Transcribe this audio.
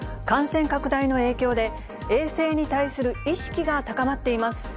感染拡大の影響で、衛生に対する意識が高まっています。